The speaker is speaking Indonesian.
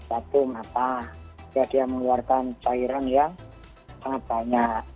satu mata ya dia mengeluarkan cairan yang sangat banyak